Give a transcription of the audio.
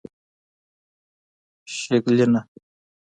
شګلینه